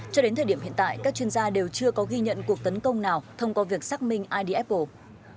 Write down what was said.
cho đến thời điểm hiện tại các chuyên gia đều chưa có ghi nhận cuộc tấn công nào thông qua việc xác minh id apple